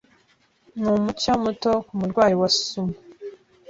Numucyo muto kumurwanyi wa sumo.